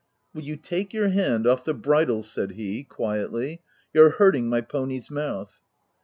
" Will you take your hand off the bridle V said he, quietly — "you're hurting my pony's mouth.